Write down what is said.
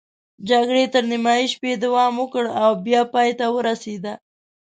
جګړې تر نیمايي شپې دوام وکړ او بیا پای ته ورسېده.